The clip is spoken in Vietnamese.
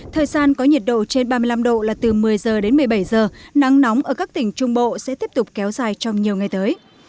thời gian có nhiệt độ trên ba mươi năm độ là từ một mươi h đến một mươi bảy giờ nắng nóng ở các tỉnh trung bộ sẽ tiếp tục kéo dài trong nhiều ngày tới